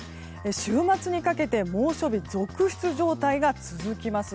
週末にかけて猛暑日続出状態が続きます。